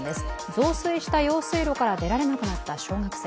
増水した用水路から出られなくなった小学生。